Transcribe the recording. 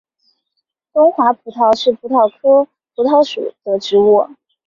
华东葡萄是葡萄科葡萄属的植物。